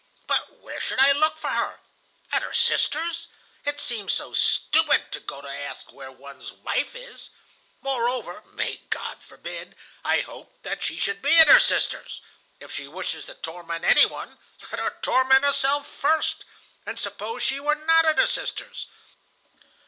But where should I look for her? At her sister's? It seemed so stupid to go to ask where one's wife is. Moreover, may God forbid, I hoped, that she should be at her sister's! If she wishes to torment any one, let her torment herself first. And suppose she were not at her sister's.